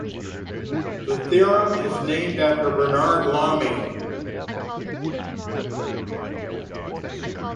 The theorem is named after Bernard Lamy.